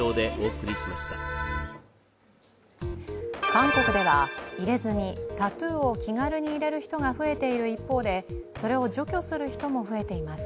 韓国では入れ墨、タトゥーを気軽に入れる人が増えている一方で、それを除去する人も増えています。